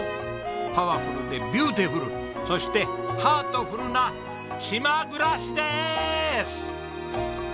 パワフルでビューティフルそしてハートフルな島暮らしでーす！